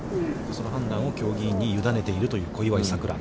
その判断を競技委員に委ねているという小祝さくら。